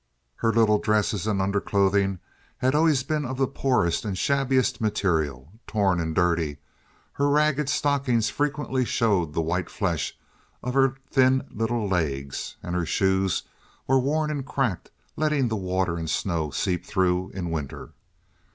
Her little dresses and underclothing had always been of the poorest and shabbiest material—torn and dirty, her ragged stockings frequently showed the white flesh of her thin little legs, and her shoes were worn and cracked, letting the water and snow seep through in winter.